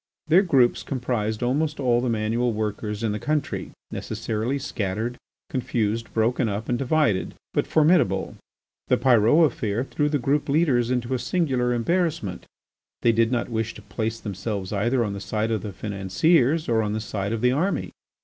Their groups comprised almost all the manual workers in the country, necessarily scattered, confused, broken up, and divided, but formidable. The Pyrot affair threw the group leaders into a singular embarrassment. They did not wish to place themselves either on the side of the financiers or on the side of the army.